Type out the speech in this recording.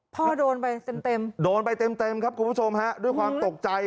พ่อโดนไปเต็มโดนไปเต็มครับคุณผู้ชมด้วยความตกใจ